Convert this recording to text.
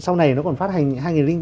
sau này nó còn phát hành hai nghìn ba